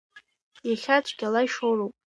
Иахьа цәгьала ишоуроуп.